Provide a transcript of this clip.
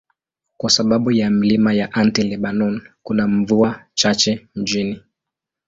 Kwa sababu ya milima ya Anti-Lebanon, kuna mvua chache mjini.